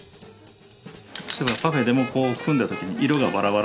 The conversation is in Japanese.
パフェでもこう組んだ時に色がバラバラ。